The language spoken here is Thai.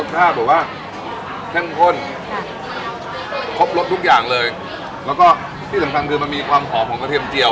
รสชาติแบบว่าเข้มข้นค่ะครบรสทุกอย่างเลยแล้วก็ที่สำคัญคือมันมีความหอมของกระเทียมเจียว